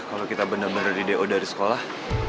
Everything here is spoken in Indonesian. kalau kita bener bener di do dari sekolah